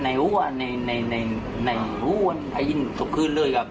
ในทุกวันก็หายิ้นทุกคืนเลยกับ